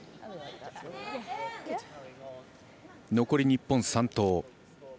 残り日本、３投。